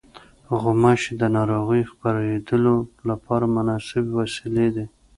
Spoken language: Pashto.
غوماشې د ناروغیو خپرېدلو لپاره مناسبې وسیلې دي.